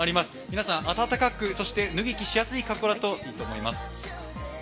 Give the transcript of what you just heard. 皆さん、暖かく、そして、脱ぎ着しやすい格好だといいと思います。